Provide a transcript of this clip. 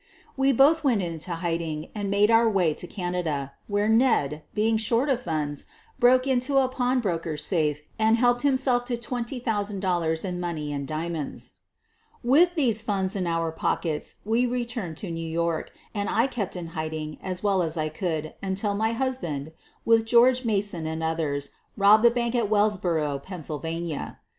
We both w T ent into hiding and made our way tb Canada, where Ned, being short of funds, broke into a pawnbroker's safe and helped himself to $20,000 in money and diamonds. With these funds in our pockets we returned to New York, and I kept in hid ing as well as I could until my husband, with George Mason and others, robbed the bank at Wellsboro, Pennsylvania.